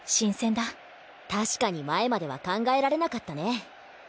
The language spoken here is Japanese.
確かに前までは考えられなかったね。